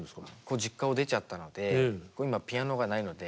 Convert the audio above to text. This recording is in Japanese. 実家を出ちゃったので今ピアノがないので。